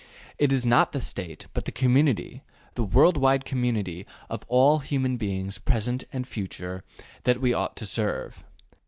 It is not the State, but the community, the worldwide community of all human beings present and future, that we ought to serve.